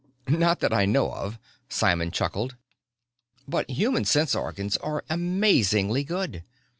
"Not that I know of." Simon chuckled. "But human sense organs are amazingly good.